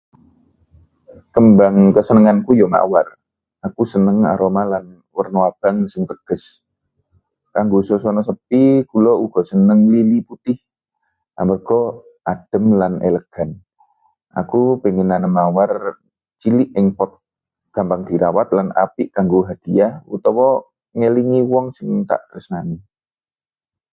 Kembang kasenenganku ya mawar. Aku seneng aroma lan werna abang sing tegas; kanggo suasana sepi kula uga seneng lili putih amarga adem lan elegan. Aku kepengin nanem mawar cilik ing pot, gampang dirawat lan apik kanggo hadiah utawa ngelingi wong sing dak tresnani.